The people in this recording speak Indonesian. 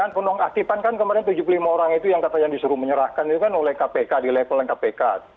pengenon aktifan kan kemarin tujuh puluh lima orang yang disuruh menyerahkan oleh kpk